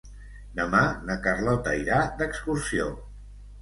Demà na Carlota irà d'excursió.